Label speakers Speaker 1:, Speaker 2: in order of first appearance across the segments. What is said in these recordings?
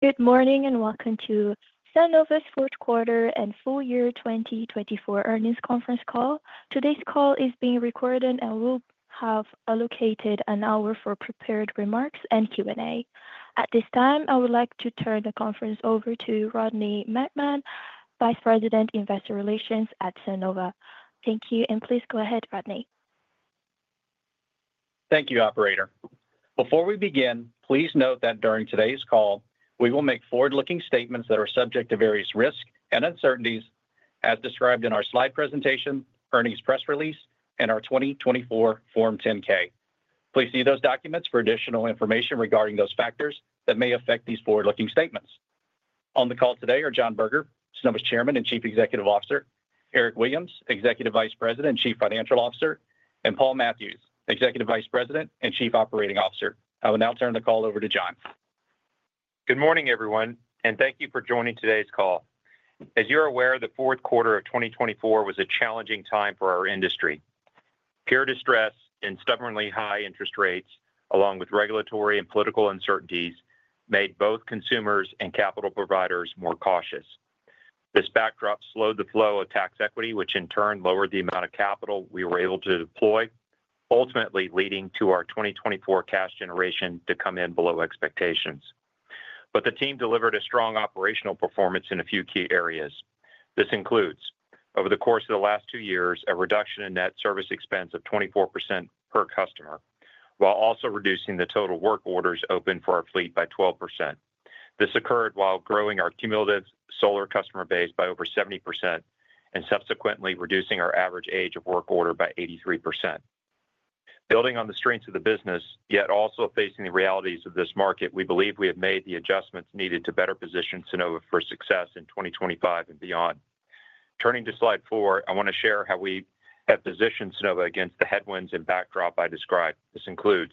Speaker 1: Good morning and welcome to Sunnova's fourth quarter and full year 2024 earnings conference call. Today's call is being recorded and will have allocated an hour for prepared remarks and Q&A. At this time, I would like to turn the conference over to Rodney McMullen, Vice President, Investor Relations at Sunnova. Thank you, and please go ahead, Rodney.
Speaker 2: Thank you, Operator. Before we begin, please note that during today's call, we will make forward-looking statements that are subject to various risks and uncertainties, as described in our slide presentation, earnings press release, and our 2024 Form 10-K. Please see those documents for additional information regarding those factors that may affect these forward-looking statements. On the call today are John Berger, Sunnova's Chairman and Chief Executive Officer, Eric Williams, Executive Vice President and Chief Financial Officer, and Paul Mathews, Executive Vice President and Chief Operating Officer. I will now turn the call over to John. Good morning, everyone, and thank you for joining today's call. As you're aware, the fourth quarter of 2024 was a challenging time for our industry. Peer distress and stubbornly high interest rates, along with regulatory and political uncertainties, made both consumers and capital providers more cautious. This backdrop slowed the flow of tax equity, which in turn lowered the amount of capital we were able to deploy, ultimately leading to our 2024 cash generation to come in below expectations. The team delivered a strong operational performance in a few key areas. This includes, over the course of the last two years, a reduction in net service expense of 24% per customer, while also reducing the total work orders open for our fleet by 12%. This occurred while growing our cumulative solar customer base by over 70% and subsequently reducing our average age of work order by 83%. Building on the strengths of the business, yet also facing the realities of this market, we believe we have made the adjustments needed to better position Sunnova for success in 2025 and beyond. Turning to slide four, I want to share how we have positioned Sunnova against the headwinds and backdrop I described. This includes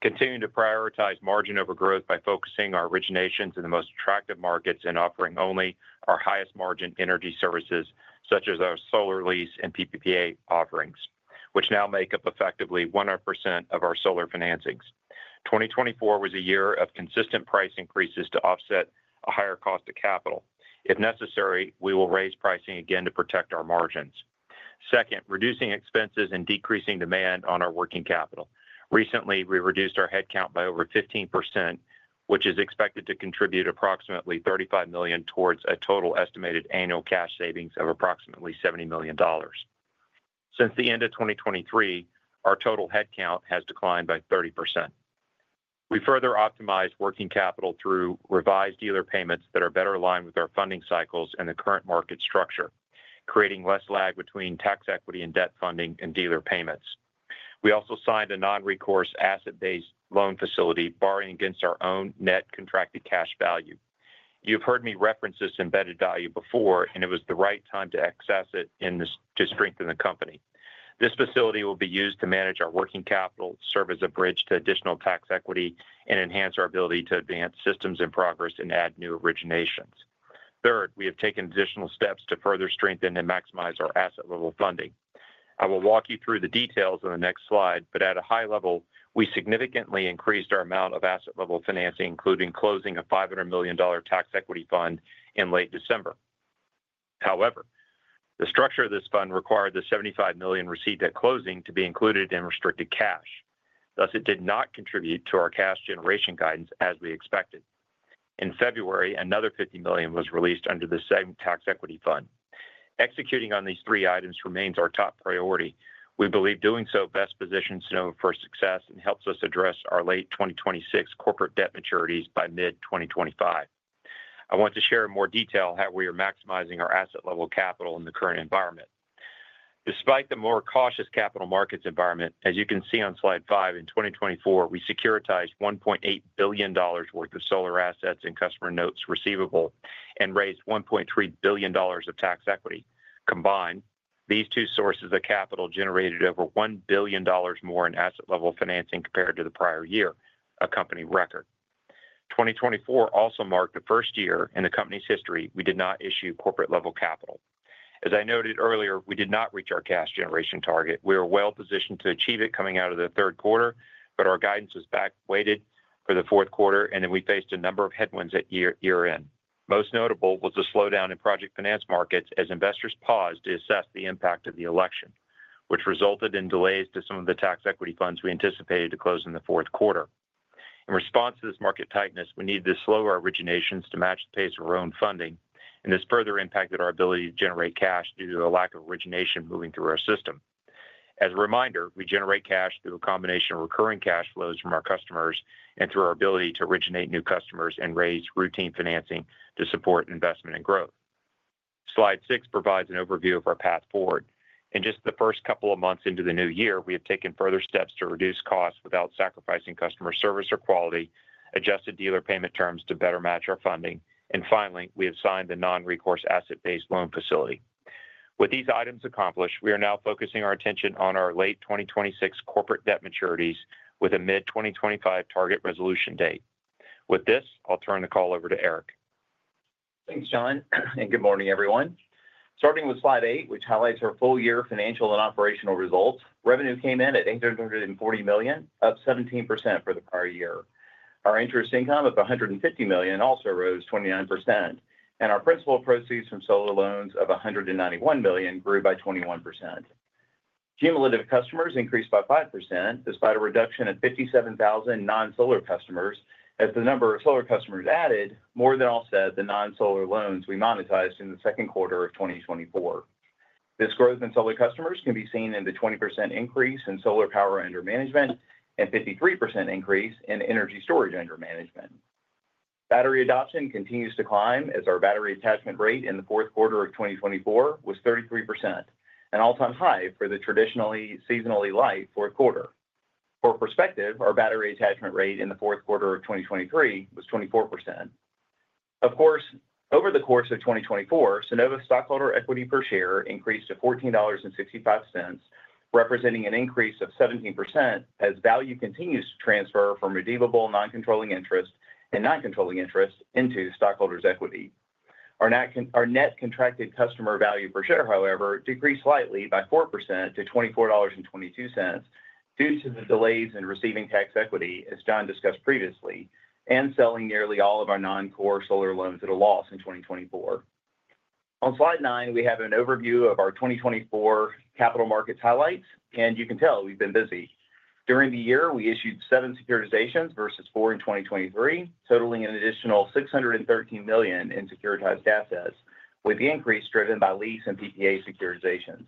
Speaker 2: continuing to prioritize margin over growth by focusing our originations in the most attractive markets and offering only our highest margin energy services, such as our solar lease and PPA offerings, which now make up effectively 100% of our solar financings. 2024 was a year of consistent price increases to offset a higher cost of capital. If necessary, we will raise pricing again to protect our margins. Second, reducing expenses and decreasing demand on our working capital. Recently, we reduced our headcount by over 15%, which is expected to contribute approximately $35 million towards a total estimated annual cash savings of approximately $70 million. Since the end of 2023, our total headcount has declined by 30%. We further optimized working capital through revised dealer payments that are better aligned with our funding cycles and the current market structure, creating less lag between tax equity and debt funding and dealer payments. We also signed a non-recourse asset-based loan facility borrowing against our own net contracted cash value. You've heard me reference this embedded value before, and it was the right time to access it to strengthen the company. This facility will be used to manage our working capital, serve as a bridge to additional tax equity, and enhance our ability to advance systems in progress and add new originations. Third, we have taken additional steps to further strengthen and maximize our asset-level funding. I will walk you through the details on the next slide, but at a high level, we significantly increased our amount of asset-level financing, including closing a $500 million tax equity fund in late December. However, the structure of this fund required the $75 million received at closing to be included in restricted cash. Thus, it did not contribute to our cash generation guidance as we expected. In February, another $50 million was released under the same tax equity fund. Executing on these three items remains our top priority. We believe doing so best positions Sunnova for success and helps us address our late 2026 corporate debt maturities by mid-2025. I want to share in more detail how we are maximizing our asset-level capital in the current environment. Despite the more cautious capital markets environment, as you can see on slide five, in 2024, we securitized $1.8 billion worth of solar assets and customer notes receivable and raised $1.3 billion of tax equity. Combined, these two sources of capital generated over $1 billion more in asset-level financing compared to the prior year, a company record. 2024 also marked the first year in the company's history we did not issue corporate-level capital. As I noted earlier, we did not reach our cash generation target. We were well positioned to achieve it coming out of the third quarter, but our guidance was back weighted for the fourth quarter, and then we faced a number of headwinds at year-end. Most notable was the slowdown in project finance markets as investors paused to assess the impact of the election, which resulted in delays to some of the tax equity funds we anticipated to close in the fourth quarter. In response to this market tightness, we needed to slow our originations to match the pace of our own funding, and this further impacted our ability to generate cash due to the lack of origination moving through our system. As a reminder, we generate cash through a combination of recurring cash flows from our customers and through our ability to originate new customers and raise routine financing to support investment and growth. Slide six provides an overview of our path forward. In just the first couple of months into the new year, we have taken further steps to reduce costs without sacrificing customer service or quality, adjusted dealer payment terms to better match our funding, and finally, we have signed the non-recourse asset-based loan facility. With these items accomplished, we are now focusing our attention on our late 2026 corporate debt maturities with a mid-2025 target resolution date. With this, I'll turn the call over to Eric.
Speaker 3: Thanks, John, and good morning, everyone. Starting with slide eight, which highlights our full year financial and operational results, revenue came in at $840 million, up 17% for the prior year. Our interest income of $150 million also rose 29%, and our principal proceeds from solar loans of $191 million grew by 21%. Cumulative customers increased by 5% despite a reduction of 57,000 non-solar customers. As the number of solar customers added, more than offset the non-solar loans we monetized in the second quarter of 2024. This growth in solar customers can be seen in the 20% increase in solar power under management and 53% increase in energy storage under management. Battery adoption continues to climb as our battery attachment rate in the fourth quarter of 2024 was 33%, an all-time high for the traditionally seasonally light fourth quarter. For perspective, our battery attachment rate in the fourth quarter of 2023 was 24%. Of course, over the course of 2024, Sunnova's stockholder equity per share increased to $14.65, representing an increase of 17% as value continues to transfer from redeemable non-controlling interest and non-controlling interest into stockholders' equity. Our net contracted customer value per share, however, decreased slightly by 4% to $24.22 due to the delays in receiving tax equity, as John discussed previously, and selling nearly all of our non-core solar loans at a loss in 2024. On slide nine, we have an overview of our 2024 capital markets highlights, and you can tell we've been busy. During the year, we issued seven securitizations versus four in 2023, totaling an additional $613 million in securitized assets, with the increase driven by lease and PPA securitizations.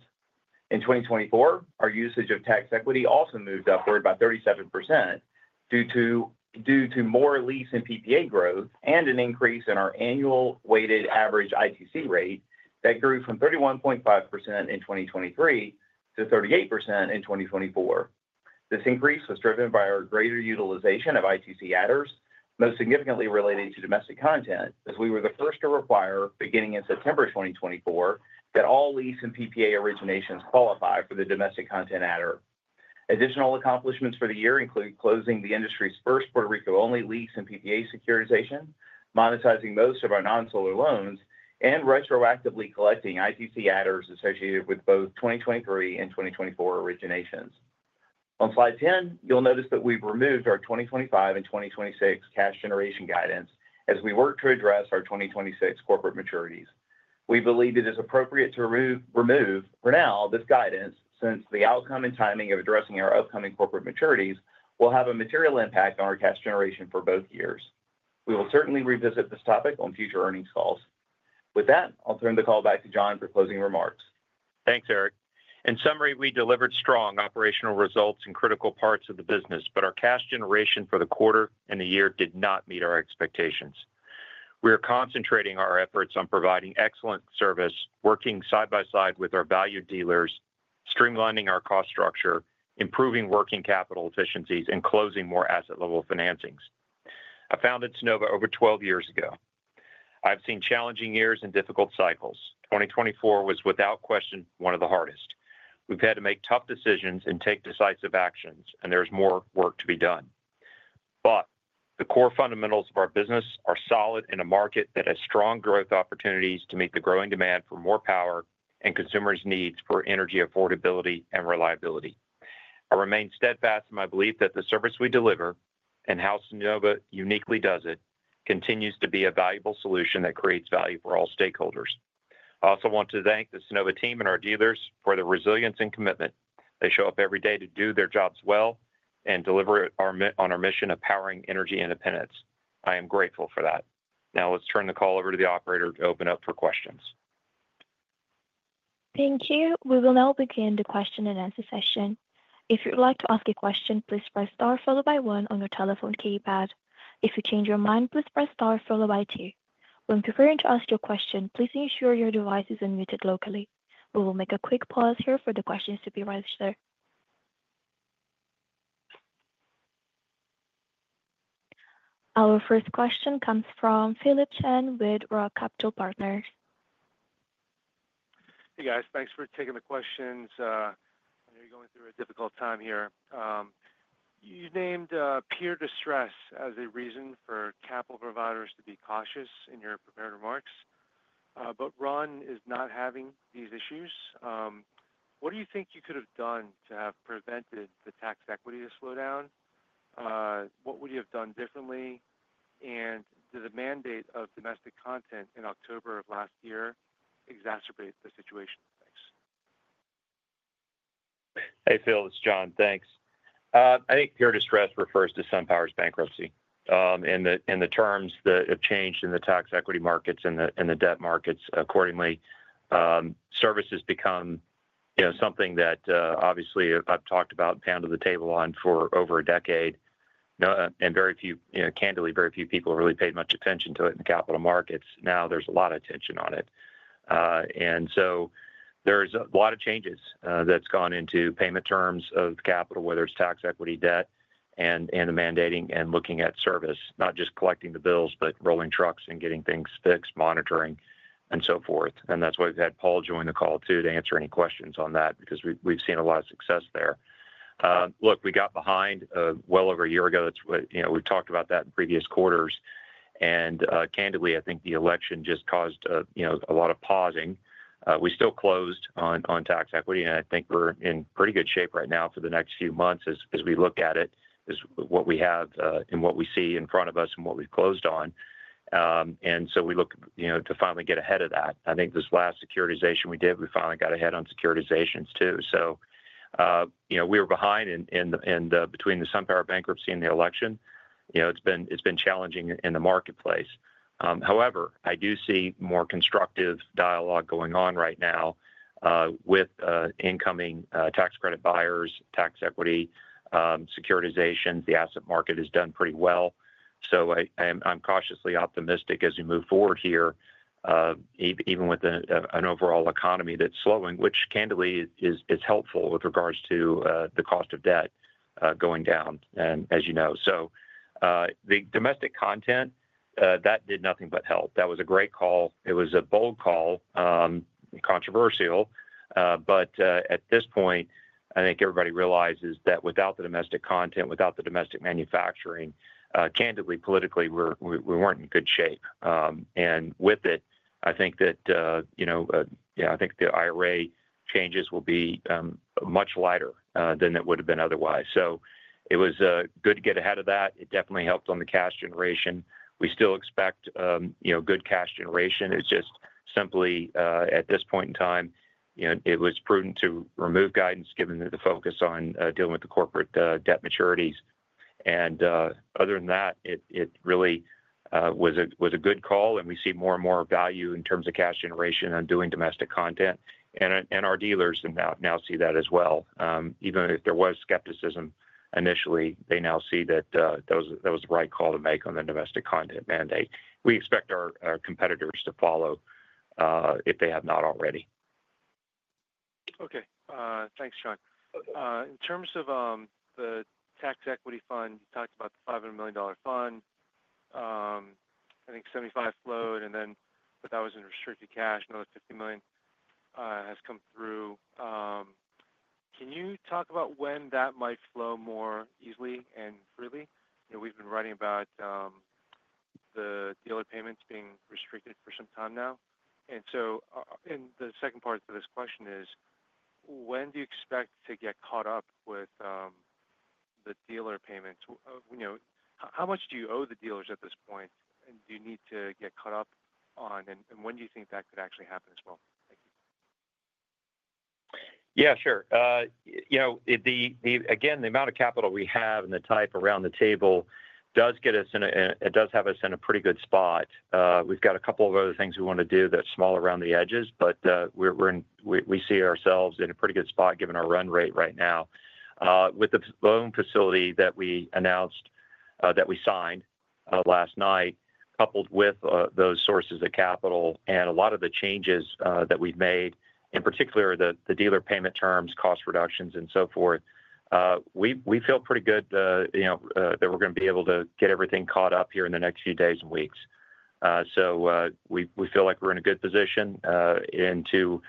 Speaker 3: In 2024, our usage of tax equity also moved upward by 37% due to more lease and PPA growth and an increase in our annual weighted average ITC rate that grew from 31.5% in 2023 to 38% in 2024. This increase was driven by our greater utilization of ITC adders, most significantly related to domestic content, as we were the first to require, beginning in September 2024, that all lease and PPA originations qualify for the domestic content adder. Additional accomplishments for the year include closing the industry's first Puerto Rico-only lease and PPA securitization, monetizing most of our non-solar loans, and retroactively collecting ITC adders associated with both 2023 and 2024 originations. On slide 10, you'll notice that we've removed our 2025 and 2026 cash generation guidance as we work to address our 2026 corporate maturities. We believe it is appropriate to remove for now this guidance since the outcome and timing of addressing our upcoming corporate maturities will have a material impact on our cash generation for both years. We will certainly revisit this topic on future earnings calls. With that, I'll turn the call back to John for closing remarks.
Speaker 2: Thanks, Eric. In summary, we delivered strong operational results in critical parts of the business, but our cash generation for the quarter and the year did not meet our expectations. We are concentrating our efforts on providing excellent service, working side by side with our valued dealers, streamlining our cost structure, improving working capital efficiencies, and closing more asset-level financings. I founded Sunnova over 12 years ago. I've seen challenging years and difficult cycles. 2024 was, without question, one of the hardest. We've had to make tough decisions and take decisive actions, and there is more work to be done. The core fundamentals of our business are solid in a market that has strong growth opportunities to meet the growing demand for more power and consumers' needs for energy affordability and reliability. I remain steadfast in my belief that the service we deliver and how Sunnova uniquely does it continues to be a valuable solution that creates value for all stakeholders. I also want to thank the Sunnova team and our dealers for their resilience and commitment. They show up every day to do their jobs well and deliver on our mission of powering energy independence. I am grateful for that. Now, let's turn the call over to the Operator to open up for questions.
Speaker 1: Thank you. We will now begin the question and answer session. If you'd like to ask a question, please press star followed by one on your telephone keypad. If you change your mind, please press star followed by two. When preparing to ask your question, please ensure your device is unmuted locally. We will make a quick pause here for the questions to be registered. Our first question comes from Philip Shen with Roth Capital Partners.
Speaker 4: Hey, guys. Thanks for taking the questions. I know you're going through a difficult time here. You named peer distress as a reason for capital providers to be cautious in your prepared remarks, but SunPower is not having these issues. What do you think you could have done to have prevented the tax equity to slow down? What would you have done differently? Did the mandate of domestic content in October of last year exacerbate the situation? Thanks.
Speaker 2: Hey, Phil, it's John. Thanks. I think peer distress refers to SunPower's bankruptcy in the terms that have changed in the tax equity markets and the debt markets. Accordingly, services become something that obviously I've talked about, pounded the table on for over a decade, and very few, candidly, very few people have really paid much attention to it in the capital markets. Now there's a lot of attention on it. There are a lot of changes that have gone into payment terms of capital, whether it's tax equity, debt, and the mandating and looking at service, not just collecting the bills, but rolling trucks and getting things fixed, monitoring, and so forth. That is why we've had Paul join the call too to answer any questions on that because we've seen a lot of success there. Look, we got behind well over a year ago. We've talked about that in previous quarters. Candidly, I think the election just caused a lot of pausing. We still closed on tax equity, and I think we're in pretty good shape right now for the next few months as we look at it, as what we have and what we see in front of us and what we've closed on. We look to finally get ahead of that. I think this last securitization we did, we finally got ahead on securitizations too. We were behind between the SunPower bankruptcy and the election. It's been challenging in the marketplace. However, I do see more constructive dialogue going on right now with incoming tax credit buyers, tax equity, securitizations. The asset market has done pretty well. I'm cautiously optimistic as we move forward here, even with an overall economy that's slowing, which candidly is helpful with regards to the cost of debt going down, as you know. The domestic content, that did nothing but help. That was a great call. It was a bold call, controversial, but at this point, I think everybody realizes that without the domestic content, without the domestic manufacturing, candidly, politically, we weren't in good shape. With it, I think the IRA changes will be much lighter than it would have been otherwise. It was good to get ahead of that. It definitely helped on the cash generation. We still expect good cash generation. It's just simply at this point in time, it was prudent to remove guidance given the focus on dealing with the corporate debt maturities. Other than that, it really was a good call, and we see more and more value in terms of cash generation on doing domestic content. Our dealers now see that as well. Even if there was skepticism initially, they now see that that was the right call to make on the domestic content mandate. We expect our competitors to follow if they have not already.
Speaker 4: Okay. Thanks, John. In terms of the tax equity fund, you talked about the $500 million fund, I think 75 flowed, and then that was in restricted cash. Another $50 million has come through. Can you talk about when that might flow more easily and freely? We've been writing about the dealer payments being restricted for some time now. The second part to this question is, when do you expect to get caught up with the dealer payments? How much do you owe the dealers at this point? Do you need to get caught up on? When do you think that could actually happen as well? Thank you.
Speaker 2: Yeah, sure. Again, the amount of capital we have and the type around the table does get us in a it does have us in a pretty good spot. We've got a couple of other things we want to do that's small around the edges, but we see ourselves in a pretty good spot given our run rate right now. With the loan facility that we announced that we signed last night, coupled with those sources of capital and a lot of the changes that we've made, in particular, the dealer payment terms, cost reductions, and so forth, we feel pretty good that we're going to be able to get everything caught up here in the next few days and weeks. We feel like we're in a good position into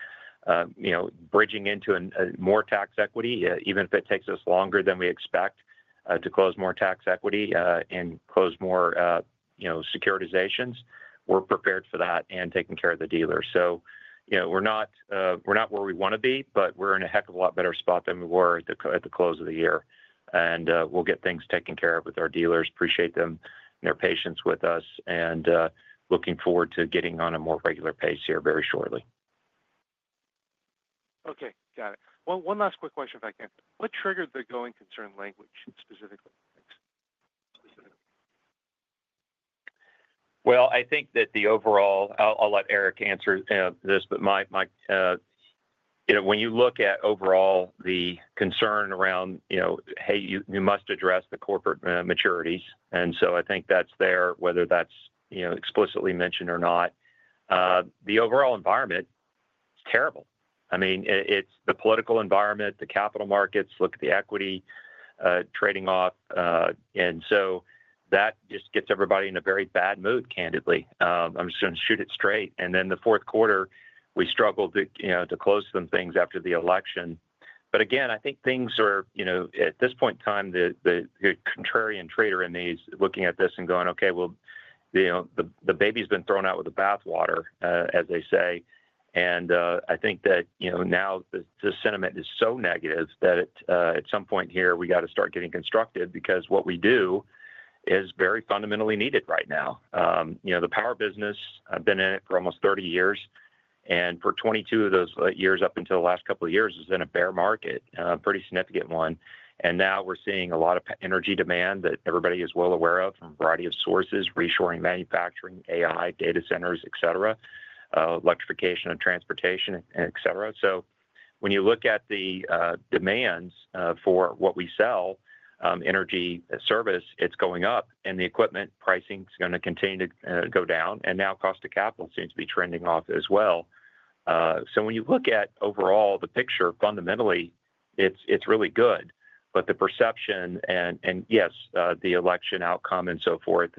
Speaker 2: bridging into more tax equity, even if it takes us longer than we expect to close more tax equity and close more securitizations. We're prepared for that and taking care of the dealers. We're not where we want to be, but we're in a heck of a lot better spot than we were at the close of the year. We'll get things taken care of with our dealers. Appreciate them and their patience with us and looking forward to getting on a more regular pace here very shortly.
Speaker 4: Okay. Got it. One last quick question, if I can. What triggered the going concern language specifically?
Speaker 2: I think that the overall I'll let Eric answer this, but when you look at overall the concern around, "Hey, you must address the corporate maturities." I think that's there, whether that's explicitly mentioned or not. The overall environment is terrible. I mean, it's the political environment, the capital markets, look at the equity trading off. That just gets everybody in a very bad mood, candidly. I'm just going to shoot it straight. In the fourth quarter, we struggled to close some things after the election. Again, I think things are at this point in time, the contrarian trader in me is looking at this and going, "Okay, the baby's been thrown out with the bathwater," as they say. I think that now the sentiment is so negative that at some point here, we got to start getting constructive because what we do is very fundamentally needed right now. The power business, I've been in it for almost 30 years. For 22 of those years up until the last couple of years, it's been a bear market, a pretty significant one. Now we're seeing a lot of energy demand that everybody is well aware of from a variety of sources: reshoring, manufacturing, AI, data centers, electrification of transportation, etc. When you look at the demands for what we sell, energy service, it's going up. The equipment pricing is going to continue to go down. Now cost of capital seems to be trending off as well. When you look at overall the picture, fundamentally, it's really good. The perception and yes, the election outcome and so forth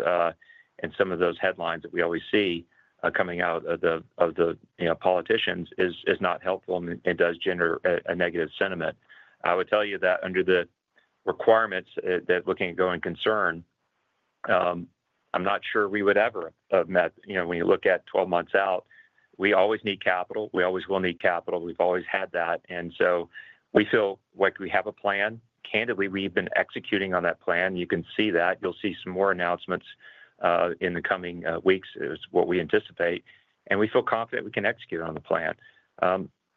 Speaker 2: and some of those headlines that we always see coming out of the politicians is not helpful and does generate a negative sentiment. I would tell you that under the requirements that looking at going concern, I'm not sure we would ever have met. When you look at 12 months out, we always need capital. We always will need capital. We've always had that. We feel like we have a plan. Candidly, we've been executing on that plan. You can see that. You'll see some more announcements in the coming weeks. It's what we anticipate. We feel confident we can execute on the plan.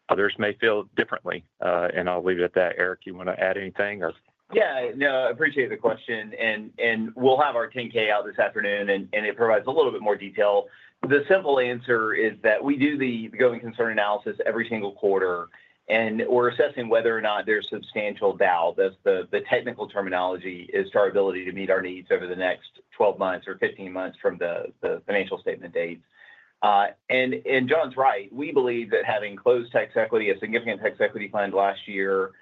Speaker 2: Others may feel differently. I'll leave it at that. Eric, you want to add anything?
Speaker 3: Yeah. No, I appreciate the question. We'll have our 10-K out this afternoon, and it provides a little bit more detail. The simple answer is that we do the going concern analysis every single quarter. We're assessing whether or not there's substantial doubt. The technical terminology is to our ability to meet our needs over the next 12 months or 15 months from the financial statement date. John's right. We believe that having closed tax equity, a significant tax equity plan last year,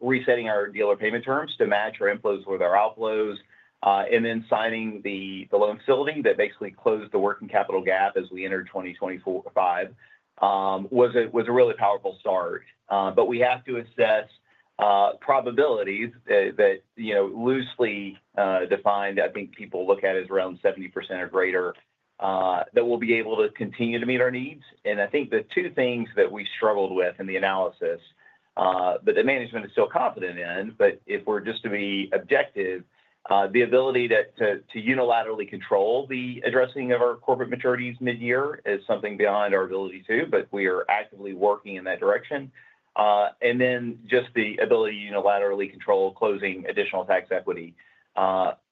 Speaker 3: resetting our dealer payment terms to match our inflows with our outflows, and then signing the loan facility that basically closed the working capital gap as we entered 2025 was a really powerful start. We have to assess probabilities that loosely defined, I think people look at as around 70% or greater, that we'll be able to continue to meet our needs. I think the two things that we struggled with in the analysis that the management is still confident in, but if we're just to be objective, the ability to unilaterally control the addressing of our corporate maturities mid-year is something beyond our ability to, but we are actively working in that direction. Then just the ability to unilaterally control closing additional tax equity.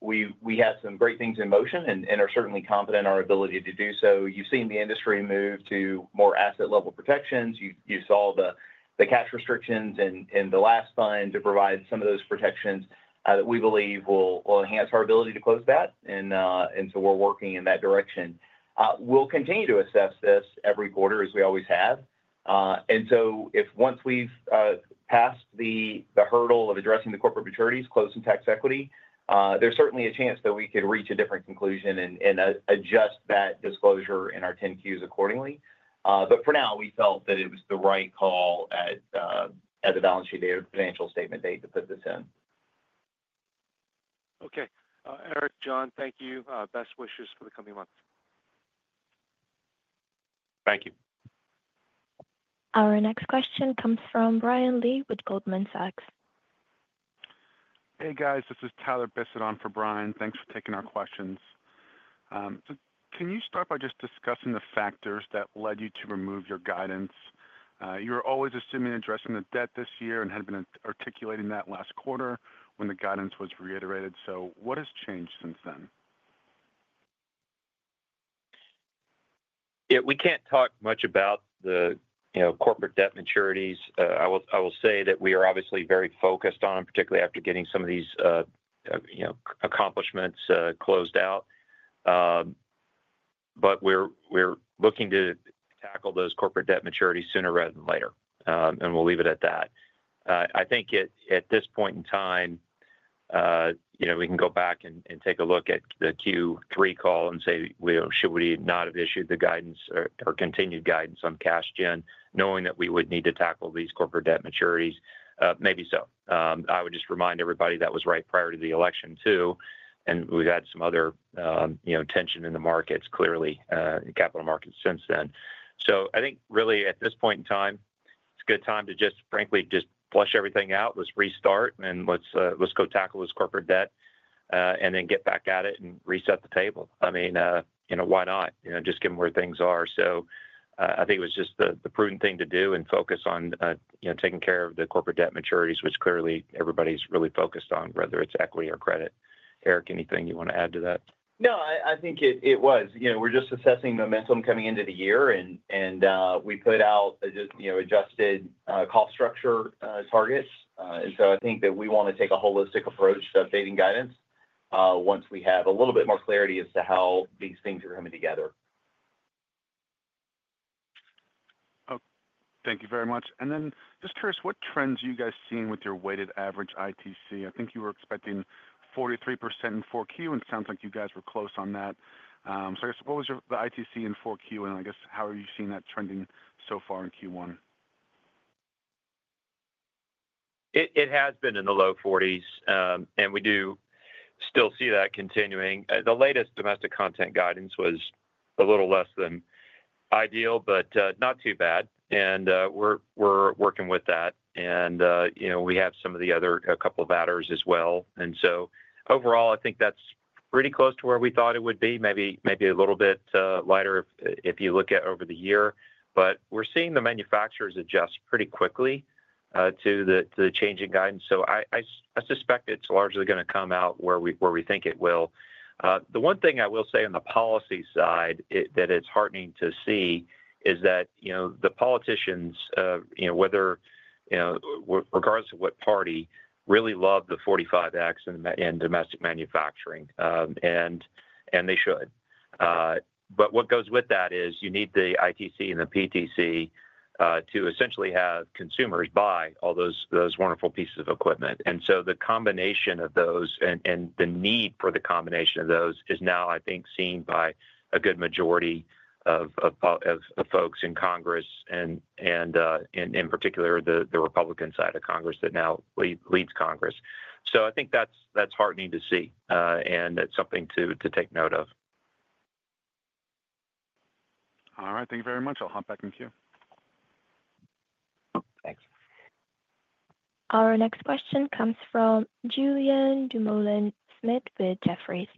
Speaker 3: We have some great things in motion and are certainly confident in our ability to do so. You've seen the industry move to more asset-level protections. You saw the cash restrictions in the last fund to provide some of those protections that we believe will enhance our ability to close that. We are working in that direction. We'll continue to assess this every quarter as we always have. If once we've passed the hurdle of addressing the corporate maturities, closing tax equity, there's certainly a chance that we could reach a different conclusion and adjust that disclosure in our 10-Qs accordingly. For now, we felt that it was the right call at the balance sheet date or financial statement date to put this in.
Speaker 4: Okay. Eric, John, thank you. Best wishes for the coming month.
Speaker 2: Thank you.
Speaker 1: Our next question comes from Tyler Bisset with Goldman Sachs.
Speaker 5: Hey, guys. This is Tyler Bisset on for Brian. Thanks for taking our questions. Can you start by just discussing the factors that led you to remove your guidance? You were always assuming addressing the debt this year and had been articulating that last quarter when the guidance was reiterated. What has changed since then?
Speaker 2: Yeah. We can't talk much about the corporate debt maturities. I will say that we are obviously very focused on them, particularly after getting some of these accomplishments closed out. We are looking to tackle those corporate debt maturities sooner rather than later. We'll leave it at that. I think at this point in time, we can go back and take a look at the Q3 call and say, "Should we not have issued the guidance or continued guidance on cash gen, knowing that we would need to tackle these corporate debt maturities?" Maybe so. I would just remind everybody that was right prior to the election too. We have had some other tension in the markets, clearly, capital markets since then. I think really at this point in time, it's a good time to just, frankly, just flush everything out. Let's restart and let's go tackle this corporate debt and then get back at it and reset the table. I mean, why not? Just given where things are. I think it was just the prudent thing to do and focus on taking care of the corporate debt maturities, which clearly everybody's really focused on, whether it's equity or credit. Eric, anything you want to add to that?
Speaker 3: No, I think it was. We're just assessing momentum coming into the year. We put out adjusted cost structure targets. I think that we want to take a holistic approach to updating guidance once we have a little bit more clarity as to how these things are coming together.
Speaker 5: Thank you very much. Just curious, what trends are you guys seeing with your weighted average ITC? I think you were expecting 43% in Q4, and it sounds like you guys were close on that. What was the ITC in Q4? How are you seeing that trending so far in Q1?
Speaker 2: It has been in the low 40s. We do still see that continuing. The latest domestic content guidance was a little less than ideal, but not too bad. We are working with that. We have some of the other couple of batteries as well. Overall, I think that's pretty close to where we thought it would be, maybe a little bit lighter if you look at over the year. We are seeing the manufacturers adjust pretty quickly to the changing guidance. I suspect it's largely going to come out where we think it will. The one thing I will say on the policy side that is heartening to see is that the politicians, regardless of what party, really love the 45X and domestic manufacturing. They should. What goes with that is you need the ITC and the PTC to essentially have consumers buy all those wonderful pieces of equipment. The combination of those and the need for the combination of those is now, I think, seen by a good majority of folks in Congress and in particular the Republican side of Congress that now leads Congress. I think that's heartening to see and something to take note of.
Speaker 5: All right. Thank you very much. I'll hop back in Q.
Speaker 3: Thanks.
Speaker 1: Our next question comes from Julien Dumoulin-Smith with Jefferies.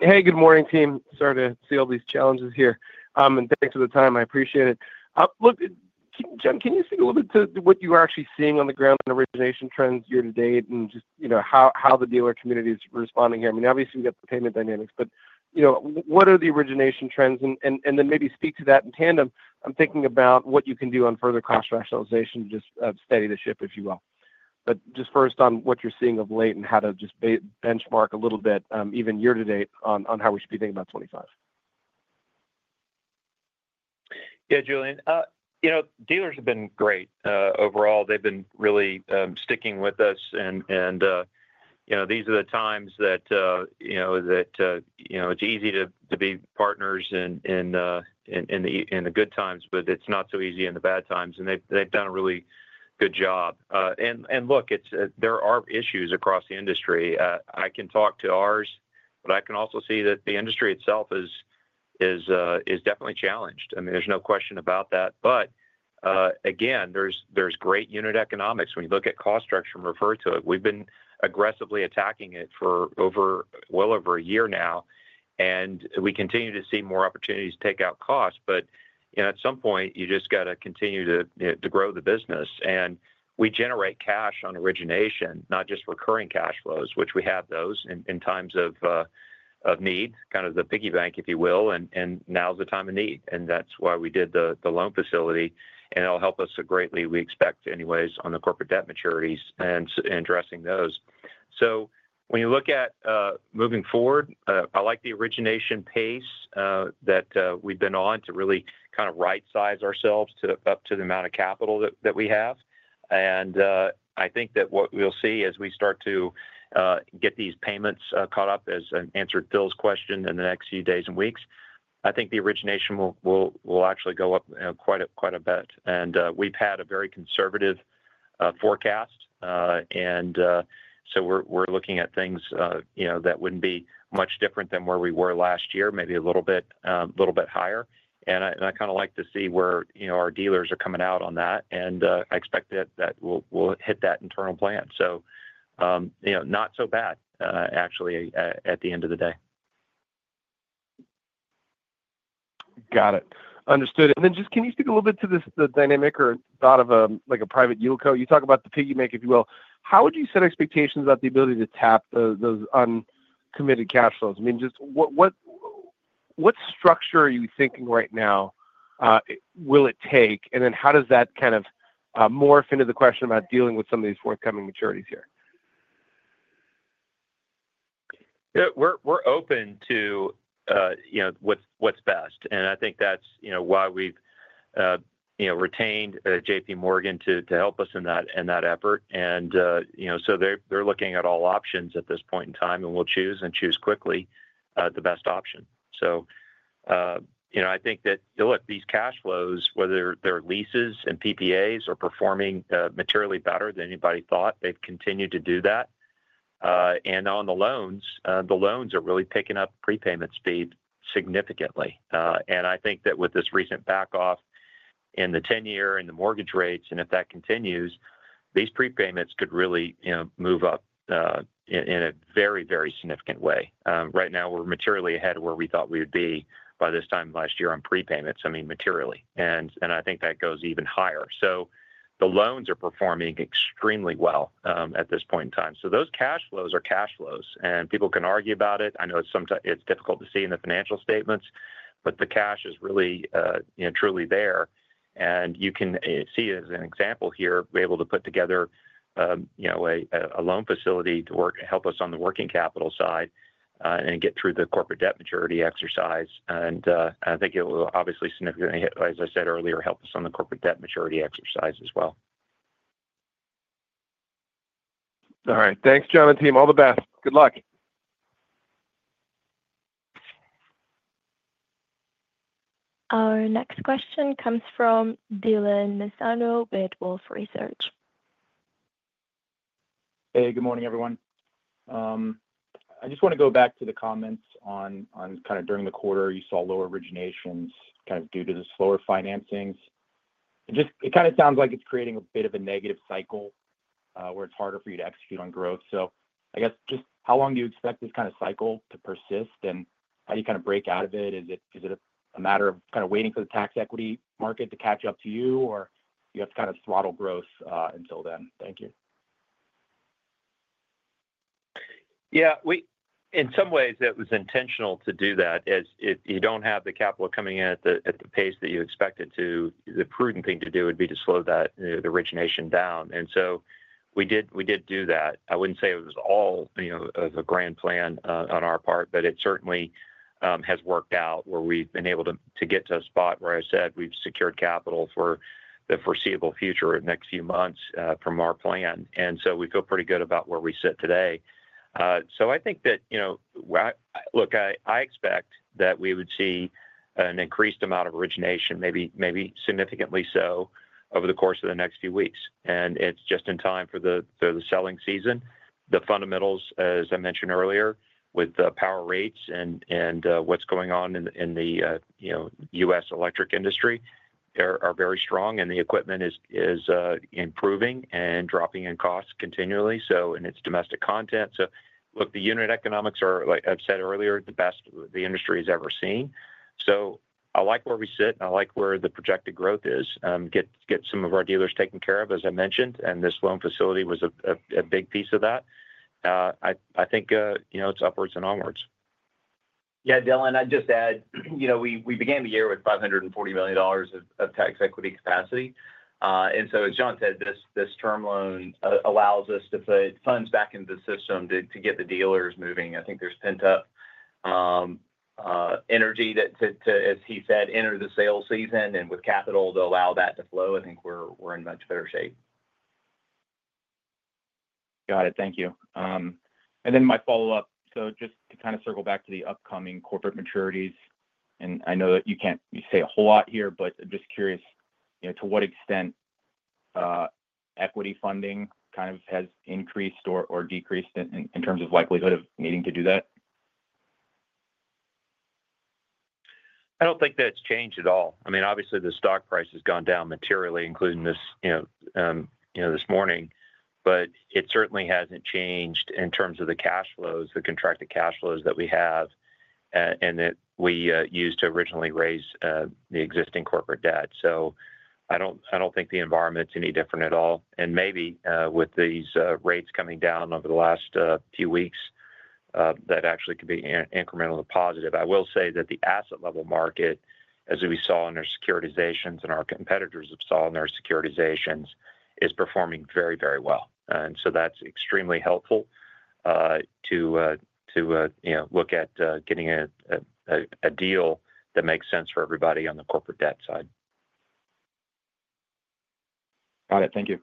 Speaker 6: Hey, good morning, team. Sorry to see all these challenges here. Thanks for the time. I appreciate it. Look, John, can you speak a little bit to what you are actually seeing on the ground in origination trends year to date and just how the dealer community is responding here? I mean, obviously, we got the payment dynamics, but what are the origination trends? Maybe speak to that in tandem. I'm thinking about what you can do on further cost rationalization to just steady the ship, if you will. Just first on what you're seeing of late and how to just benchmark a little bit, even year to date, on how we should be thinking about 2025.
Speaker 2: Yeah, Julian. Dealers have been great overall. They've been really sticking with us. These are the times that it's easy to be partners in the good times, but it's not so easy in the bad times. They've done a really good job. Look, there are issues across the industry. I can talk to ours, but I can also see that the industry itself is definitely challenged. I mean, there's no question about that. Again, there's great unit economics. When you look at cost structure and refer to it, we've been aggressively attacking it for well over a year now. We continue to see more opportunities to take out costs. At some point, you just got to continue to grow the business. We generate cash on origination, not just recurring cash flows, which we have those in times of need, kind of the piggy bank, if you will. Now is the time of need. That is why we did the loan facility. It will help us greatly, we expect, anyways, on the corporate debt maturities and addressing those. When you look at moving forward, I like the origination pace that we have been on to really kind of right-size ourselves up to the amount of capital that we have. I think that what we will see as we start to get these payments caught up, as I answered Phil's question in the next few days and weeks, I think the origination will actually go up quite a bit. We have had a very conservative forecast. We're looking at things that wouldn't be much different than where we were last year, maybe a little bit higher. I kind of like to see where our dealers are coming out on that. I expect that we'll hit that internal plan. Not so bad, actually, at the end of the day.
Speaker 6: Got it. Understood. Can you speak a little bit to the dynamic or thought of a private yieldco? You talk about the piggy bank, if you will. How would you set expectations about the ability to tap those uncommitted cash flows? I mean, just what structure are you thinking right now will it take? How does that kind of morph into the question about dealing with some of these forthcoming maturities here?
Speaker 2: Yeah. We're open to what's best. I think that's why we've retained JPMorgan to help us in that effort. They're looking at all options at this point in time, and we'll choose and choose quickly the best option. I think that, look, these cash flows, whether they're leases and PPAs, are performing materially better than anybody thought. They've continued to do that. On the loans, the loans are really picking up prepayment speed significantly. I think that with this recent backoff in the 10-year and the mortgage rates, and if that continues, these prepayments could really move up in a very, very significant way. Right now, we're materially ahead of where we thought we would be by this time last year on prepayments, I mean, materially. I think that goes even higher. The loans are performing extremely well at this point in time. Those cash flows are cash flows. People can argue about it. I know it's difficult to see in the financial statements, but the cash is really truly there. You can see as an example here, we're able to put together a loan facility to help us on the working capital side and get through the corporate debt maturity exercise. I think it will obviously significantly, as I said earlier, help us on the corporate debt maturity exercise as well.
Speaker 6: All right. Thanks, John and team. All the best. Good luck.
Speaker 1: Our next question comes from Dylan Nassano with Wolfe Research.
Speaker 7: Hey, good morning, everyone. I just want to go back to the comments on kind of during the quarter, you saw lower originations kind of due to the slower financings. It kind of sounds like it's creating a bit of a negative cycle where it's harder for you to execute on growth. I guess just how long do you expect this kind of cycle to persist? How do you kind of break out of it? Is it a matter of kind of waiting for the tax equity market to catch up to you, or do you have to kind of throttle growth until then? Thank you.
Speaker 2: Yeah. In some ways, it was intentional to do that. You don't have the capital coming in at the pace that you expect it to. The prudent thing to do would be to slow the origination down. We did do that. I wouldn't say it was all of a grand plan on our part, but it certainly has worked out where we've been able to get to a spot where I said we've secured capital for the foreseeable future in the next few months from our plan. We feel pretty good about where we sit today. I think that, look, I expect that we would see an increased amount of origination, maybe significantly so over the course of the next few weeks. It's just in time for the selling season. The fundamentals, as I mentioned earlier, with the power rates and what's going on in the U.S. electric industry are very strong. The equipment is improving and dropping in cost continually, and it's domestic content. Look, the unit economics are, like I've said earlier, the best the industry has ever seen. I like where we sit. I like where the projected growth is. Get some of our dealers taken care of, as I mentioned. This loan facility was a big piece of that. I think it's upwards and onwards.
Speaker 3: Yeah, Dylan, I'd just add we began the year with $540 million of tax equity capacity. As John said, this term loan allows us to put funds back into the system to get the dealers moving. I think there's pent-up energy that, as he said, entered the sale season. With capital to allow that to flow, I think we're in much better shape.
Speaker 7: Got it. Thank you. My follow-up, just to kind of circle back to the upcoming corporate maturities. I know that you can't say a whole lot here, but I'm just curious to what extent equity funding kind of has increased or decreased in terms of likelihood of needing to do that.
Speaker 2: I don't think that's changed at all. I mean, obviously, the stock price has gone down materially, including this morning. It certainly hasn't changed in terms of the cash flows, the contracted cash flows that we have and that we used to originally raise the existing corporate debt. I don't think the environment's any different at all. Maybe with these rates coming down over the last few weeks, that actually could be incrementally positive. I will say that the asset-level market, as we saw in our securitizations and our competitors have seen in their securitizations, is performing very, very well. That is extremely helpful to look at getting a deal that makes sense for everybody on the corporate debt side.
Speaker 7: Got it. Thank you.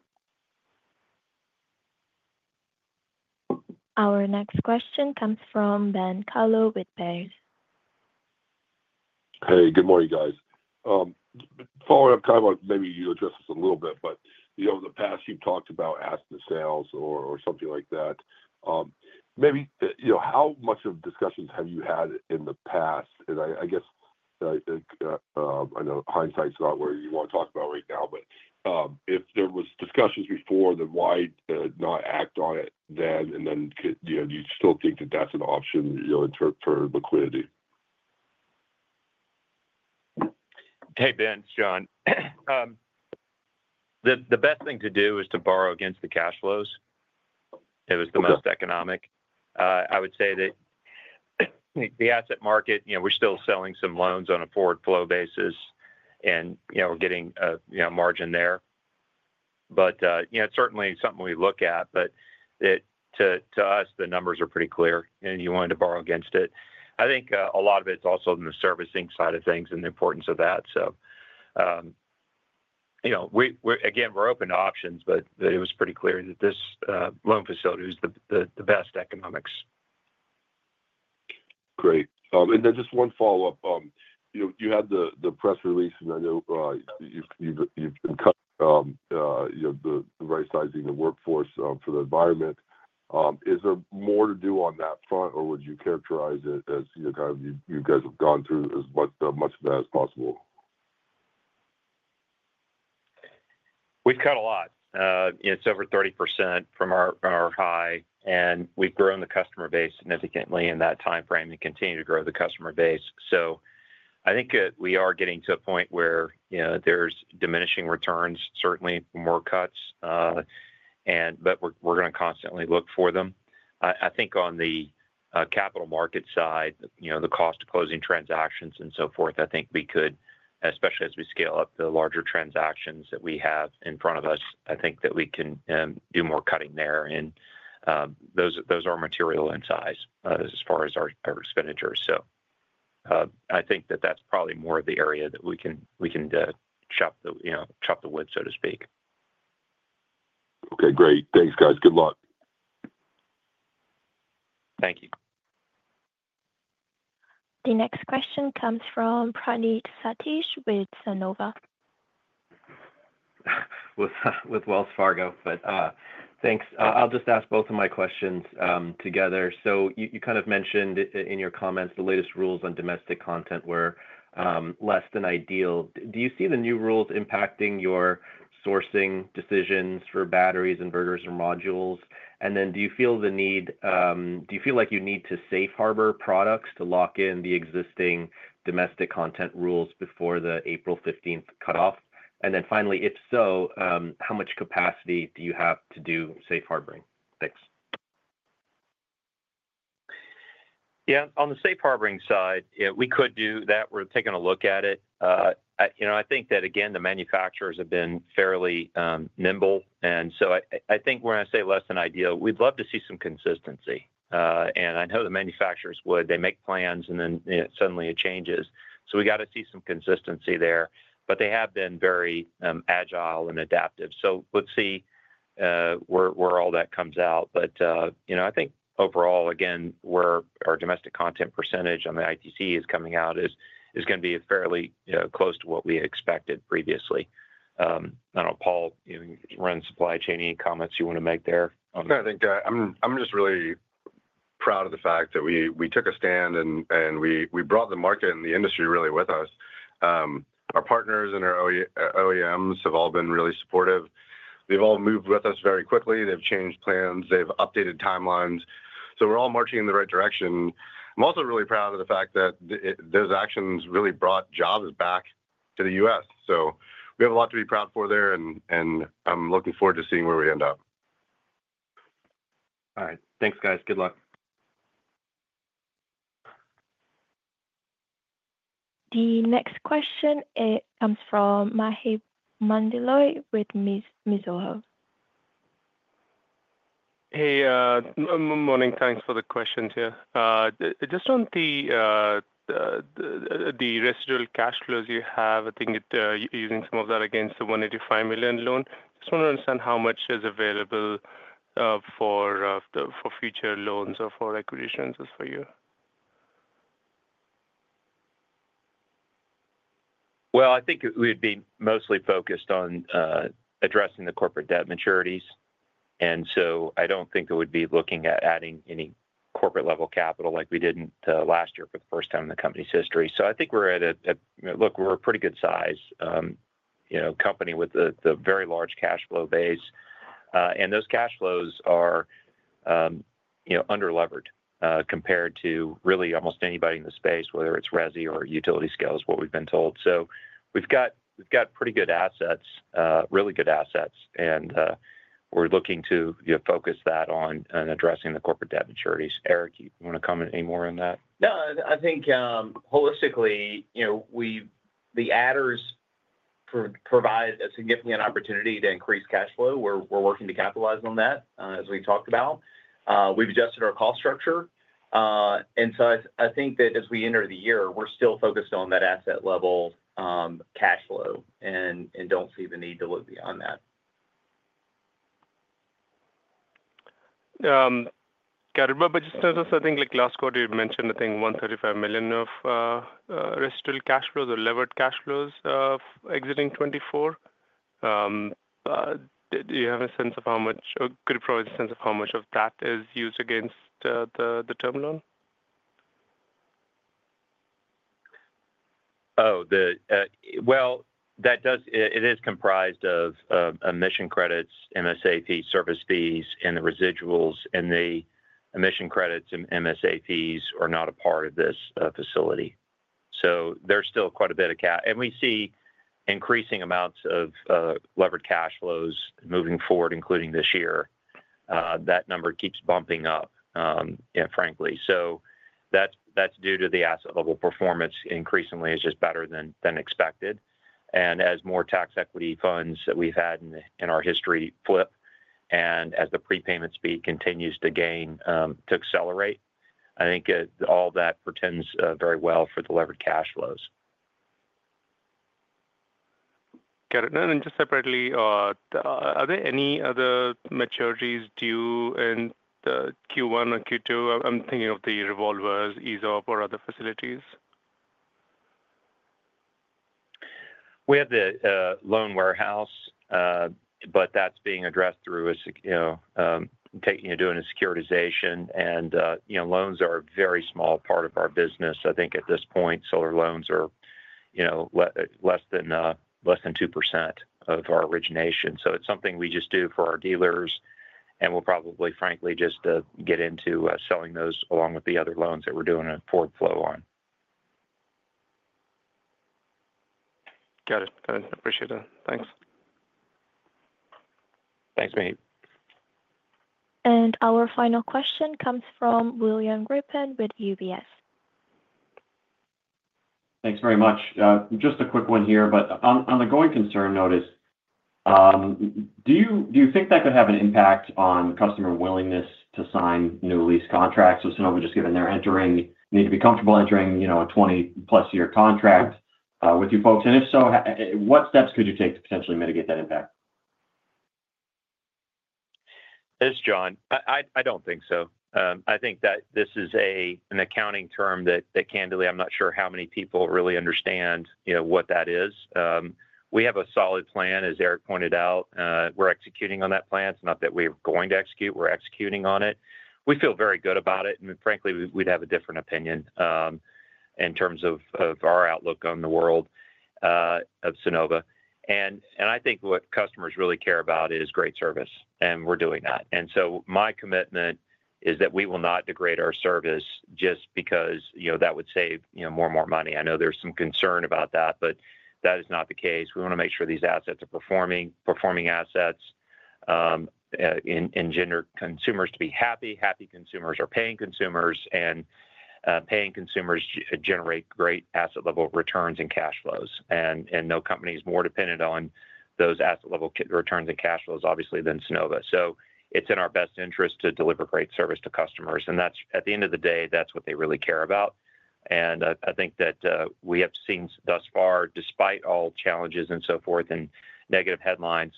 Speaker 1: Our next question comes from Ben Kallo with Baird.
Speaker 8: Hey, good morning, guys. Following up, Kyle, maybe you addressed this a little bit, but over the past, you've talked about asset sales or something like that. Maybe how much of discussions have you had in the past? I guess I know hindsight's not where you want to talk about right now, but if there were discussions before, then why not act on it then? Do you still think that that's an option for liquidity?
Speaker 2: Hey, Ben, it's John. The best thing to do is to borrow against the cash flows. It was the most economic. I would say that the asset market, we're still selling some loans on a forward flow basis and getting a margin there. It is certainly something we look at. To us, the numbers are pretty clear. You wanted to borrow against it. I think a lot of it is also in the servicing side of things and the importance of that. Again, we're open to options, but it was pretty clear that this loan facility was the best economics.
Speaker 8: Great. Just one follow-up. You had the press release, and I know you've been cutting the right-sizing of workforce for the environment. Is there more to do on that front, or would you characterize it as kind of you guys have gone through as much of that as possible?
Speaker 2: We've cut a lot. It's over 30% from our high. And we've grown the customer base significantly in that timeframe and continue to grow the customer base. I think that we are getting to a point where there's diminishing returns, certainly more cuts, but we're going to constantly look for them. I think on the capital market side, the cost of closing transactions and so forth, I think we could, especially as we scale up the larger transactions that we have in front of us, I think that we can do more cutting there. Those are material in size as far as our expenditures. I think that that's probably more of the area that we can chop the wood, so to speak.
Speaker 8: Okay, great. Thanks, guys. Good luck.
Speaker 2: Thank you.
Speaker 1: The next question comes from Praneeth Satish with Sunnova.
Speaker 9: With Wells Fargo, thanks. I'll just ask both of my questions together. You kind of mentioned in your comments the latest rules on domestic content were less than ideal. Do you see the new rules impacting your sourcing decisions for batteries, inverters, or modules? Do you feel like you need to safe harbor products to lock in the existing domestic content rules before the April 15th cutoff? Finally, if so, how much capacity do you have to do safe harboring? Thanks.
Speaker 2: Yeah. On the safe harboring side, we could do that. We're taking a look at it. I think that, again, the manufacturers have been fairly nimble. I think when I say less than ideal, we'd love to see some consistency. I know the manufacturers would. They make plans, and then suddenly it changes. We got to see some consistency there. They have been very agile and adaptive. We'll see where all that comes out. I think overall, again, our domestic content percentage on the ITC is coming out is going to be fairly close to what we expected previously. I don't know, Paul, you run supply chain, any comments you want to make there?
Speaker 6: I think I'm just really proud of the fact that we took a stand and we brought the market and the industry really with us. Our partners and our OEMs have all been really supportive. They've all moved with us very quickly. They've changed plans. They've updated timelines. We are all marching in the right direction. I'm also really proud of the fact that those actions really brought jobs back to the U.S. We have a lot to be proud for there, and I'm looking forward to seeing where we end up.
Speaker 7: All right. Thanks, guys. Good luck.
Speaker 1: The next question, it comes from Maheep Mandloi with Mizuho.
Speaker 10: Hey, good morning. Thanks for the question here. Just on the residual cash flows you have, I think you're using some of that against the $185 million loan. Just want to understand how much is available for future loans or for acquisitions for you.
Speaker 2: I think we'd be mostly focused on addressing the corporate debt maturities. I don't think that we'd be looking at adding any corporate-level capital like we did last year for the first time in the company's history. I think we're at a—look, we're a pretty good-sized company with a very large cash flow base. Those cash flows are under-levered compared to really almost anybody in the space, whether it's Resi or utility scales, what we've been told. We've got pretty good assets, really good assets. We're looking to focus that on addressing the corporate debt maturities. Eric, you want to comment any more on that?
Speaker 3: No, I think holistically, the adders provide a significant opportunity to increase cash flow. We're working to capitalize on that, as we talked about. We've adjusted our cost structure. I think that as we enter the year, we're still focused on that asset-level cash flow and don't see the need to look beyond that.
Speaker 10: Got it. Just to add this, I think last quarter, you mentioned, I think, $135 million of residual cash flows, or levered cash flows exiting 2024. Do you have a sense of how much—could you provide a sense of how much of that is used against the term loan?
Speaker 2: Oh, it is comprised of emission credits, MSA fees, service fees, and the residuals. The emission credits and MSA fees are not a part of this facility. There is still quite a bit of cash. We see increasing amounts of levered cash flows moving forward, including this year. That number keeps bumping up, frankly. That is due to the asset-level performance increasingly. It is just better than expected. As more tax equity funds that we have had in our history flip, and as the prepayment speed continues to gain, to accelerate, I think all that pertains very well for the levered cash flows.
Speaker 10: Got it. Just separately, are there any other maturities due in Q1 or Q2? I'm thinking of the revolvers, ESOP, or other facilities.
Speaker 2: We have the loan warehouse, but that's being addressed through doing a securitization. Loans are a very small part of our business. I think at this point, solar loans are less than 2% of our origination. It is something we just do for our dealers. We'll probably, frankly, just get into selling those along with the other loans that we're doing a forward flow on.
Speaker 10: Got it. Got it. Appreciate that. Thanks.
Speaker 2: Thanks, Mahip.
Speaker 1: Our final question comes from William Grippin with UBS.
Speaker 11: Thanks very much. Just a quick one here, but on the going concern notice, do you think that could have an impact on customer willingness to sign new lease contracts? With Sunnova just given they're entering, need to be comfortable entering a 20-plus-year contract with you folks. If so, what steps could you take to potentially mitigate that impact?
Speaker 2: This is John. I don't think so. I think that this is an accounting term that, candidly, I'm not sure how many people really understand what that is. We have a solid plan, as Eric pointed out. We're executing on that plan. It's not that we're going to execute. We're executing on it. We feel very good about it. Frankly, we'd have a different opinion in terms of our outlook on the world of Sunnova. I think what customers really care about is great service. We're doing that. My commitment is that we will not degrade our service just because that would save more and more money. I know there's some concern about that, but that is not the case. We want to make sure these assets are performing, performing assets and generate consumers to be happy, happy consumers or paying consumers. Paying consumers generate great asset-level returns and cash flows. No company is more dependent on those asset-level returns and cash flows, obviously, than Sunnova. It is in our best interest to deliver great service to customers. At the end of the day, that is what they really care about. I think that we have seen thus far, despite all challenges and so forth and negative headlines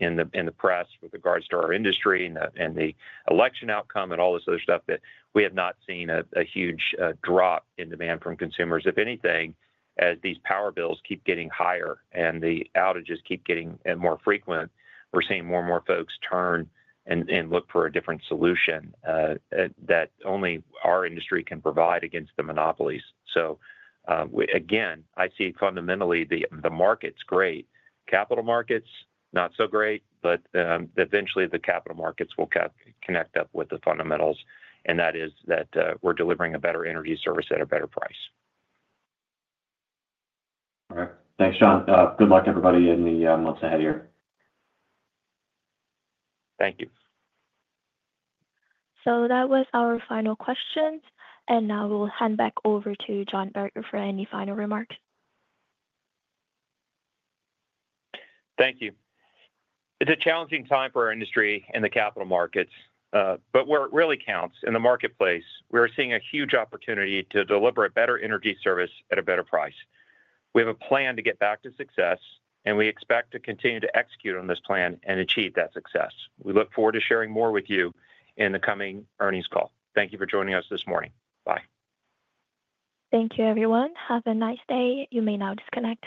Speaker 2: in the press with regards to our industry and the election outcome and all this other stuff, that we have not seen a huge drop in demand from consumers. If anything, as these power bills keep getting higher and the outages keep getting more frequent, we are seeing more and more folks turn and look for a different solution that only our industry can provide against the monopolies. I see fundamentally the market is great. Capital markets, not so great. Eventually, the capital markets will connect up with the fundamentals. That is that we're delivering a better energy service at a better price.
Speaker 3: All right. Thanks, John. Good luck, everybody, in the months ahead here.
Speaker 2: Thank you.
Speaker 1: That was our final questions. Now we'll hand back over to John Berger for any final remarks.
Speaker 2: Thank you. It is a challenging time for our industry and the capital markets. What really counts in the marketplace, we are seeing a huge opportunity to deliver a better energy service at a better price. We have a plan to get back to success, and we expect to continue to execute on this plan and achieve that success. We look forward to sharing more with you in the coming earnings call. Thank you for joining us this morning. Bye.
Speaker 1: Thank you, everyone. Have a nice day. You may now disconnect.